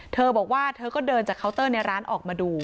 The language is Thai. เธอบอกว่าเธอก็เดินจากเคาน์เตอร์ในร้านออกมาดู